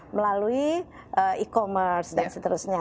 melalui e commerce dan seterusnya